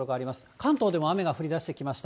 関東でも雨が降りだしてきました。